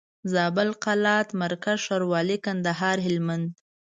زابل قلات مرکز ښاروالي کندهار هلمند